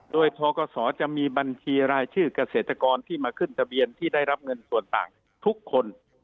โดยทกศจะมีบัญชีรายชื่อเกษตรกรที่มาขึ้นทะเบียนที่ได้รับเงินส่วนต่างทุกคน